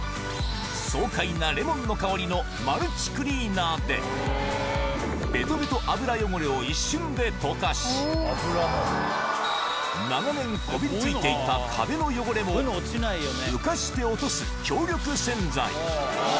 爽快なレモンの香りのマルチクリーナーで、ベトベト油汚れを一瞬で溶かし、長年、こびりついていた壁の汚れも浮かして落とす強力洗剤。